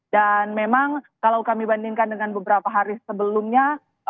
dan memang kalau kami bandingkan dengan beberapa hari sebelumnya